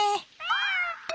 あ。